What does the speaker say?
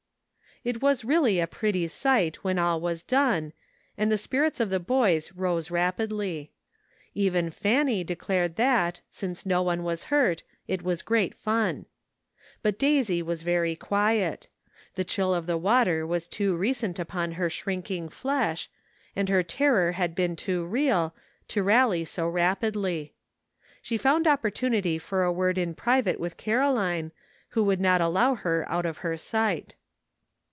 It was really a pretty sight when all was done, and the spirits of the boys rose rapidly. Even Fanny declared that, since no one was hurt, it was great fun. But Daisy was very quiet. The chill of the water was too recent upon her shrinking flesh, and her terror had been too real, to rally so rapidly. She found opportunity for a word in private with Caro line, who would not allow her out of her sight.